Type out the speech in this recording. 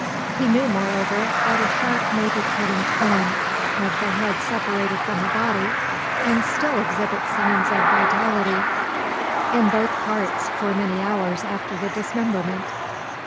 He knew, moreover, that a shark may be cut in twain, have the head separated from the body, and still exhibit signs of vitality in both parts for many hours after the dismemberment!